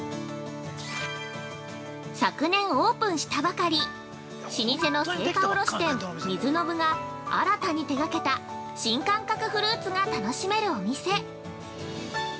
◆昨年オープンしたばかり、老舗の青果卸店、水信が新たに手がけた、新感覚フルーツが楽しめるお店。